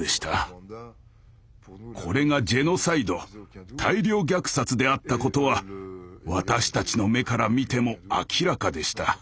これがジェノサイド大量虐殺であったことは私たちの目から見ても明らかでした。